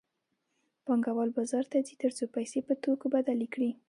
پانګوال بازار ته ځي تر څو پیسې په توکو بدلې کړي